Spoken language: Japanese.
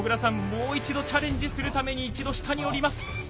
もう一度チャレンジするために一度下に下ります。